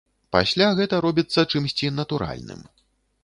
Пасля гэта робіцца чымсьці натуральным.